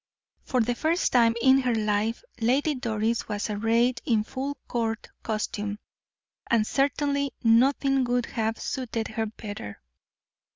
For the first time in her life Lady Doris was arrayed in full court costume, and certainly nothing could have suited her better.